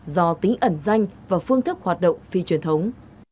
do tính ẩn danh và phương thức hoạt động phi truyền thống